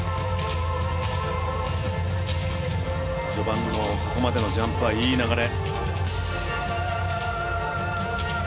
序盤のここまでのジャンプはいい流れ。